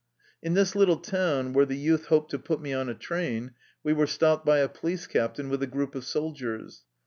In this little town, where the youth hoped to put me on a train, we were stopped by a police captain with a group of soldiers.